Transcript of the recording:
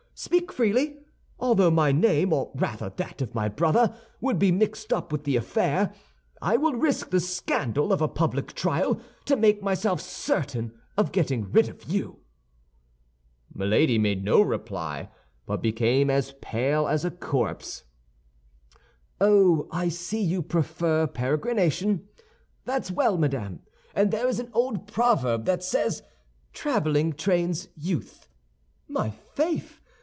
Speak freely. Although my name, or rather that of my brother, would be mixed up with the affair, I will risk the scandal of a public trial to make myself certain of getting rid of you." Milady made no reply, but became as pale as a corpse. "Oh, I see you prefer peregrination. That's well madame; and there is an old proverb that says, 'Traveling trains youth.' My faith!